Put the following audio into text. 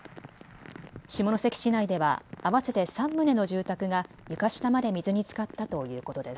下関市内では合わせて３棟の住宅が床下まで水につかったということです。